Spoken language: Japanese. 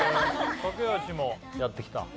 掛橋もやってきた？